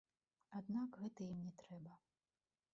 Аднак гэта ім не трэба.